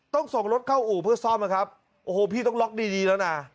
ส่งรถเข้าอู่เพื่อซ่อมนะครับโอ้โหพี่ต้องล็อกดีดีแล้วนะ